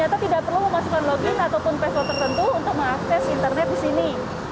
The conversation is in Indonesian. dan ternyata tidak perlu memasukkan login ataupun password tertentu untuk mengakses internet di sini